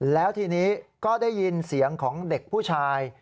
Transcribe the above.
แล้วทีนี้ก็ได้ยินเสียงของเด็กผู้ชาย